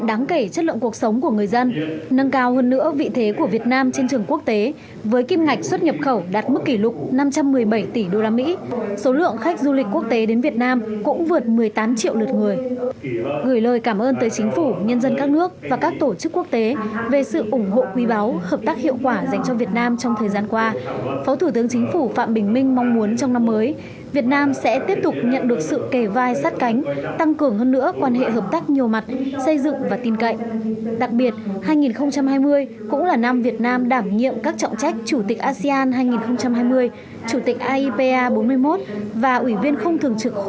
đặc biệt hai nghìn hai mươi cũng là năm việt nam đảm nhiệm các trọng trách chủ tịch asean hai nghìn hai mươi chủ tịch aipa bốn mươi một và ủy viên không thường trực hội đồng bảo an liên hợp quốc